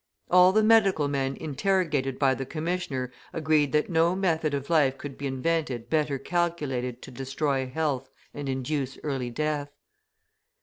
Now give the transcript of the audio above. All the medical men interrogated by the commissioner agreed that no method of life could be invented better calculated to destroy health and induce early death.